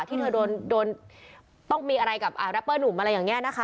ที่เธอโดนต้องมีอะไรกับแรปเปอร์หนุ่มอะไรอย่างนี้นะคะ